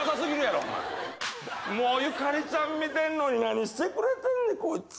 もうゆかりちゃん見てんのに何してくれてんねん、こいつ。